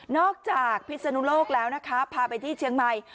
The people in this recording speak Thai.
จากพิศนุโลกแล้วนะคะพาไปที่เชียงใหม่